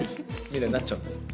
みたいになっちゃうんですよ。